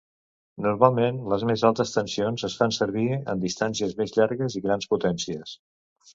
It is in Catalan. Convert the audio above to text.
Normalment les més altes tensions es fan servir en distàncies més llargues i grans potències.